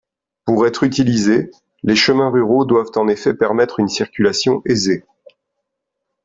Pour être utilisés, les chemins ruraux doivent en effet permettre une circulation aisée.